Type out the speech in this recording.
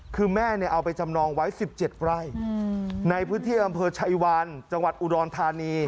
คือแม่เอาไปจำนองไว้๑๗ไร่ในพื้นที่อำเภอชัยวานจังหวัดอุดรธานี